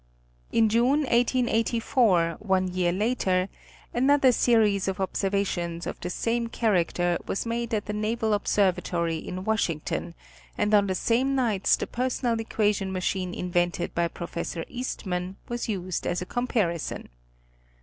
In June 1884, one year later, another series of observations of the same character was made at the Naval Observatory in Washington, and on the same nights the personal equation machine invented by Prof. Eastman, was used as a comparison.